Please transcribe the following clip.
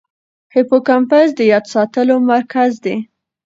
هیپوکمپس د یاد ساتلو مرکز دی.